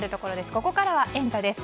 ここからはエンタ！です。